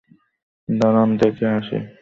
দাঁড়ান দেখে আসি।